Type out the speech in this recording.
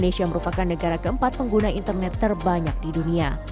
indonesia merupakan negara keempat pengguna internet terbanyak di dunia